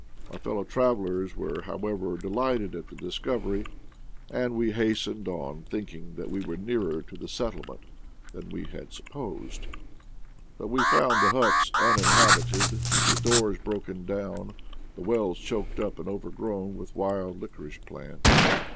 My fellow travelers were, however, delighted at the discovery, and we 8 IDLE DAYS IN PATAGONIA hastened on, thinking that we were nearer to the settlement than we had supposed Bnt we found the huts uninhabited, the doors broken down, the wells choked up and overgrown with wild liquorice plants.